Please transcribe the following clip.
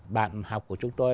bạn học của chúng tôi